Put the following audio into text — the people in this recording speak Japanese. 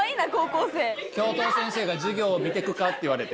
教頭先生が授業を見てくか？って言われて。